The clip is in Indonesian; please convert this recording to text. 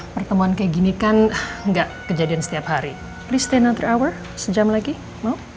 pertemuan kayak gini kan gak kejadian setiap hari please stay another hour sejam lagi mau